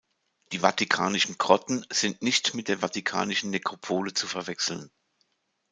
Die Vatikanischen Grotten sind nicht mit der Vatikanischen Nekropole zu verwechseln.